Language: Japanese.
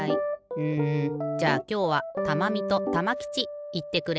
うんじゃあきょうはたまみとたまきちいってくれ。